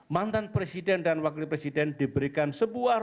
mantan presiden dan wakil presiden diberikan sebuah ruang yang sangat menarik